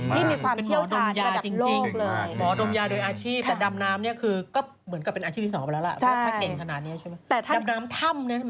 ที่มีความเที่ยวชาญข้อดับโลกเลยจริงมันเป็นหมอดมยาจริง